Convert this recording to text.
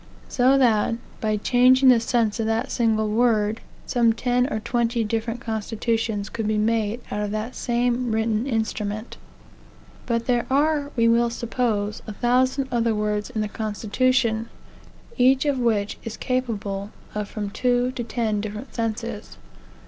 So that, by changing the sense of that single word, some ten or twenty different constitutions could be made out of the same written instrument. But there are, we will suppose, a thousand other words in the constitution, each of which is capable of from two to ten different senses.